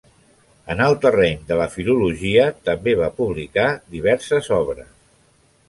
En el terreny de la filologia, també va publicar diverses obres.